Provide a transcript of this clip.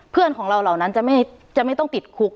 เพื่อนของเราเหล่านั้นจะไม่ต้องติดคุก